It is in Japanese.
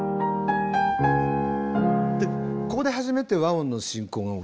ここで初めて和音の進行が起きます。